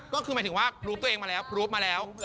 ก็คือหมายถึงว่ารูปตัวเองมาแล้วรูปมาแล้ว